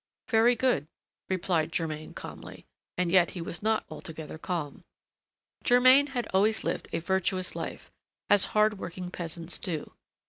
"Very good," replied Germain calmly, and yet he was not altogether calm. Germain had always lived a virtuous life, as hard working peasants do.